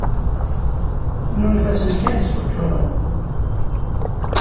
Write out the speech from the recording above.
Nunef-asen kan sfuǧǧuɣen.